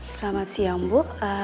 selamat siang bu